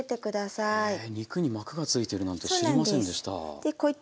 へえ肉に膜が付いてるなんて知りませんでした。